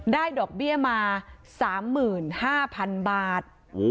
ได้ดอกเบี้ยมาสามหมื่นห้าพันบาท